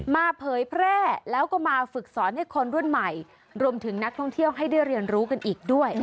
เผยแพร่แล้วก็มาฝึกสอนให้คนรุ่นใหม่รวมถึงนักท่องเที่ยวให้ได้เรียนรู้กันอีกด้วย